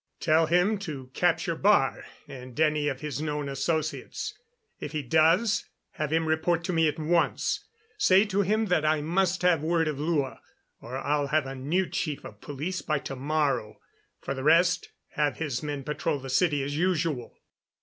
"Tell him to capture Baar and any of his known associates. If he does, have him report to me at once. Say to him that I must have word of Lua or I'll have a new chief of police by to morrow. For the rest, have his men patrol the city as usual."